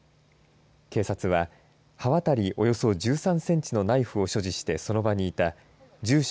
警察は刃渡りおよそ１３センチのナイフを所持してその場にいた住所